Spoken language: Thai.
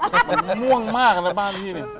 สีม่วงดูดซับมันม่วงมากนะบ้านพี่